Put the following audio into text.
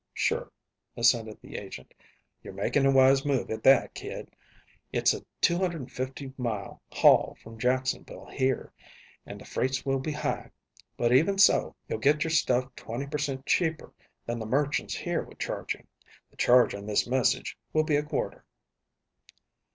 "Sure," assented the agent, "you're making a wise move at that, kid. It's a 250 mile haul from Jacksonville here, and the freights will be high, but, even so, you'll get your stuff 20 per cent, cheaper than the merchants here would charge you. The charge on this message will be a quarter."